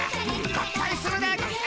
合体するでゴンス。